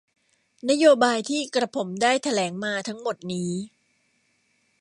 นโยบายที่กระผมได้แถลงมาทั้งหมดนี้